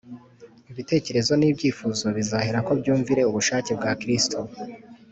. Ibitekerezo n’ibyifuzo bizaherako byumvire ubushake bwa Kristo